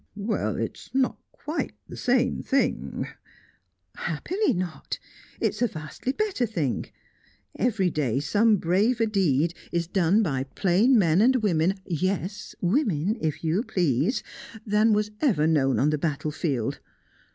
"Well it's not quite the same thing " "Happily, not! It's a vastly better thing. Every day some braver deed is done by plain men and women yes, women, if you please than was ever known on the battle field.